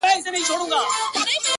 تا خو د خپل وجود زکات کله هم ونه ايستی؛